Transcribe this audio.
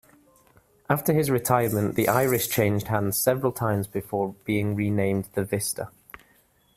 After his retirement, the Iris changed hands several times before being renamed the Vista.